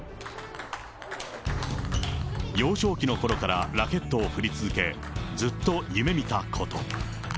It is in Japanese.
幼少期のころからラケットを振り続け、ずっと夢みたこと。